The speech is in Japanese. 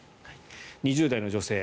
２０代の女性。